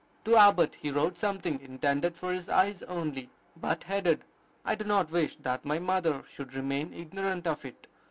To Abbott he wrote something intended for his eyes only, but headed, "I do not wish that my mother should remain ignorant of it.